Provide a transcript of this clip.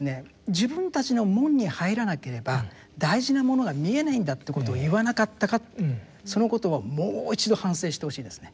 自分たちの門に入らなければ大事なものが見えないんだということを言わなかったかってそのことはもう一度反省してほしいですね